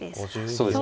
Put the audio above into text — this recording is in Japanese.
そうですね。